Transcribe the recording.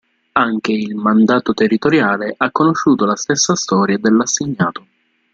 Anche il "mandato territoriale" ha conosciuto la stessa storia dell'assegnato.